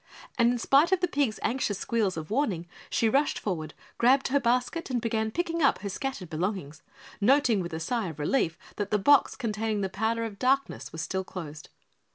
And in spite of the pig's anxious squeals of warning, she rushed forward, grabbed her basket and began picking up her scattered belongings, noting with a sigh of relief that the box containing the powder of darkness was still closed.